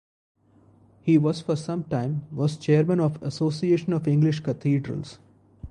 He was for some time was Chairman of the Association of English Cathedrals.